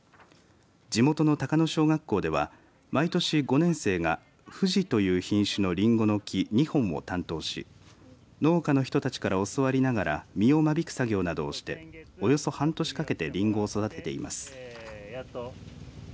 地元の高野小学校では毎年５年生がふじという品種のりんごの木２本を担当し農家の人たちから教わりながら実を間引く作業などをしておよそ半年かけてりんごを育てています。